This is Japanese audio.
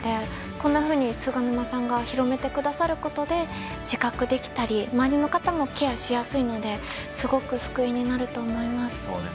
こんなふうに菅沼さんが広げてくださることで自覚できたり周りの方もケアしやすいのですごく救いになると思います。